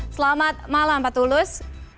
selamat malam pak tulus